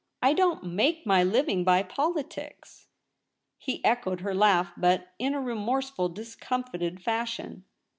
/ don't make my living by politics.' He echoed her laugh, but in a remorseful, discomfited fashion.